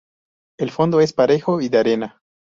El fondo es parejo y de arena.